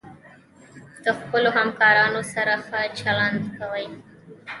د خپلو همکارانو سره ښه چلند کوئ.